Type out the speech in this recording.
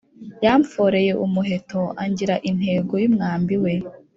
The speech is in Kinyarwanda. Yamforeye umuheto, Angira intego y’umwambi we.